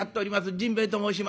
甚兵衛と申します。